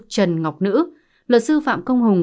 trần ngọc nữ luật sư phạm công hùng